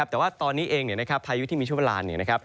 แต่ว่าตอนนี้เองพายุที่มีช่วงเวลา